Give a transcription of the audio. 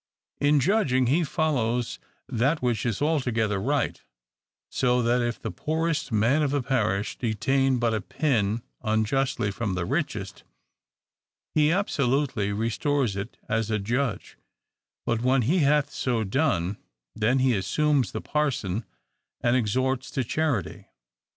In judging, he follows that which is altogether right; so that if the poorest man of the parish detain but a pin unjustly from the richest, he absolutely restores it as a judge ; but when he hath so done, then he assumes the parson, and exhorts to charity.